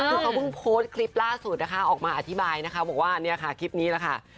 แล้วเขาพึ่งโพสต์คลิปล่าสุดนะคะออกมาอธิบายนะคะบอกว่าคลิปนี้ละค่ะ